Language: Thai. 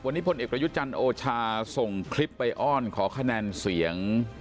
วันนี้พลเอกประยุทธ์จันทร์โอชาส่งคลิปไปอ้อนขอคะแนนเสียง